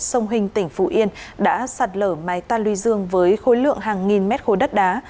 tổng khối lượng đất đã sạt lở mái tan lưu dương với khối lượng hàng nghìn mét khối đất đá